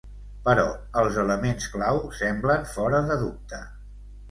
Però els elements clau semblen fora de dubte.